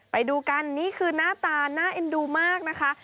ไปดูกันนี่คือหน้าตาน่าเอ็นดูมากนะคะ